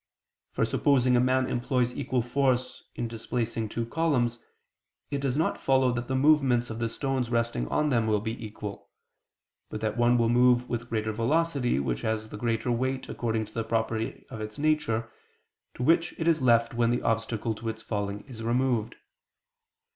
For supposing a man employs equal force in displacing two columns, it does not follow that the movements of the stones resting on them will be equal; but that one will move with greater velocity, which has the greater weight according to the property of its nature, to which it is left when the obstacle to its falling is removed.